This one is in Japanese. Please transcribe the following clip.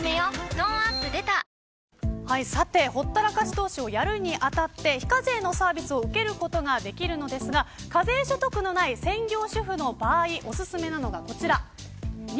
トーンアップ出たほったらかし投資をやるに当たって非課税のサービスを受けることができるんですが課税所得のない専業主婦の場合おすすめなのがこちら。